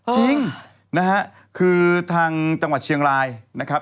จริงนะฮะคือทางจังหวัดเชียงรายนะครับ